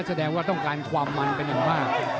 แสดงว่าต้องการความมันเป็นอย่างมาก